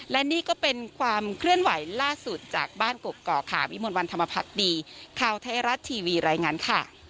และนี่ก็เป็นความเคลื่อนไหวล่าสุดจากบ้านกกอกค่ะวิมวลวันธรรมพักดีข่าวไทยรัฐทีวีรายงานค่ะ